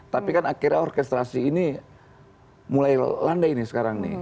tapi kan akhirnya orkestrasi ini mulai landai sekarang ini